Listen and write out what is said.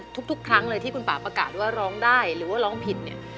ทุกครั้งเลยที่คุณป่าประกาศว่าร้องได้หรือว่าร้องผิดเนี่ย